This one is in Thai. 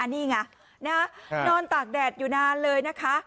นี่ไงนอนตากแดดอยู่นานเลยนะคะ